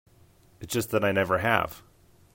It's just that I never have.